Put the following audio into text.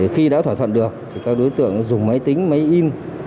khi đã thỏa thuận được thì các đối tượng dùng máy tính máy in